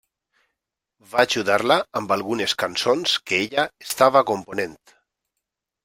Va ajudar-la amb algunes cançons que ella estava component.